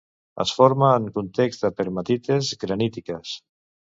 Es forma en contexts de pegmatites granítiques.